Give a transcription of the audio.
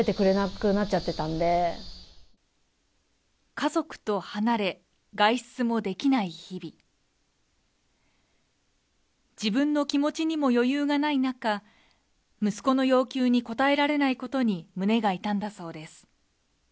家族と離れ、外出もできない日々自分の気持ちにも余裕がない中、息子の要求に応えられないことに胸が痛んだそうです。